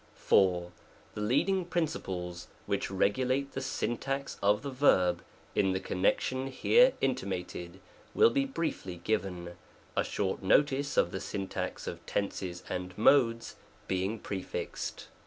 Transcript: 4. The leading principles which regulate the syntax 190 SUBORDINATE CLAUSES. TEKSES. §132. of the verb in the connection here intimated will be briefly given ; a short notice of the syntax of Tenses and Modes being prefixed.